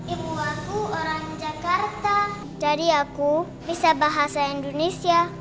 ibu aku orang jakarta jadi aku bisa bahasa indonesia